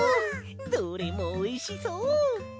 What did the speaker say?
どれもおいしそう！